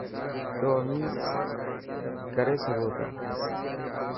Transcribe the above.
تو اوهين ڪري سگهو تا.